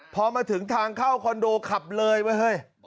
พอมาถึงทางเข้าคอนโดขับเลยไว้เฮ้ย